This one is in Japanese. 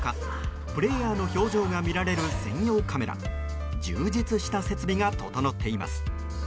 プレーヤーの表情が見られる専用カメラ充実した設備が整っています。